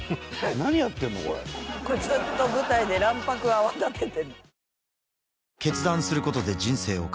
これずっと舞台で卵白泡立てて。